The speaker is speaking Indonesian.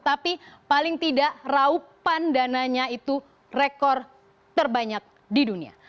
tapi paling tidak raupan dananya itu rekor terbanyak di dunia